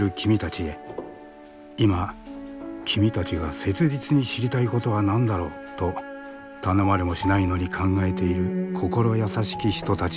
「今君たちが切実に知りたいことは何だろう？」と頼まれもしないのに考えている心優しき人たちがいる。